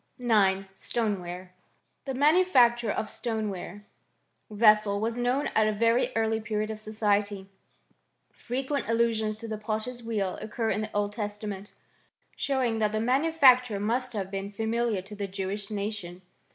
IX. STONEWARE. The manufacture of stoneware vessels was known at a very early period of society. Frequent allusions to the potter's wheel occur in the Old Testament, showing that the manufacture must have been familiar to the Jewish nation.